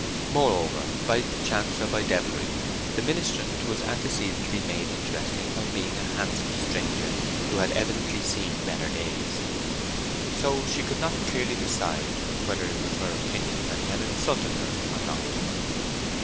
Moreover, by chance or by devilry, the ministrant was antecedently made interesting by being a handsome stranger who had evidently seen better days. So she could not clearly decide whether it was her opinion that he had insulted her or not.